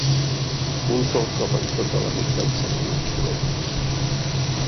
Un sol cop en tota la nit vaig sentir un soroll